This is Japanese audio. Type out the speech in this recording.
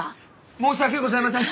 申し訳ございません！